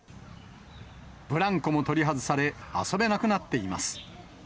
ブランコも取り外され、遊べなくなっています。